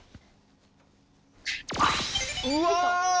うわ！